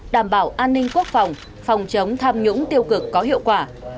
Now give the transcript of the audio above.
đảm bảo an ninh quốc phòng phòng chống tham nhũng tiêu cực có hiệu quả